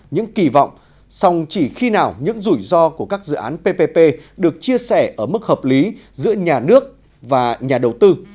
những kỳ vọng song chỉ khi nào những rủi ro của các dự án ppp được chia sẻ ở mức hợp lý giữa nhà nước và nhà đầu tư